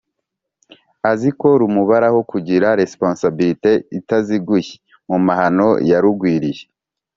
azi ko rumubaraho kugira responsabilite itaziguye mu mahano yarugwiriye?